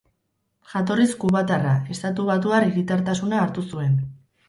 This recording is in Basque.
Jatorriz kubatarra, estatubatuar hiritartasuna hartu zuen.